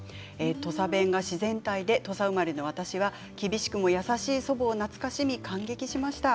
土佐弁が自然体で土佐生まれの私は厳しくも優しい祖母を懐かしみ感激しました。